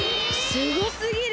すごすぎる！